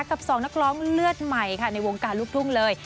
กับสองนักร้องเลือดใหม่ค่ะในวงการลูกทุ่งเลย